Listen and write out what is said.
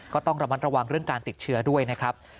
ก็ต้องระมัดระวังเรื่องการติดเชื้อด้วยนะครับ